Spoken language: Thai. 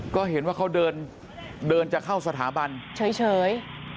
ก็เห็นว่าเขาเดินจะเข้าสถาบันเฉย